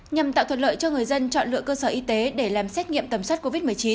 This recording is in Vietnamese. nhằm tạo thuận lợi cho người dân chọn lựa cơ sở y tế để làm xét nghiệm tầm soát covid một mươi chín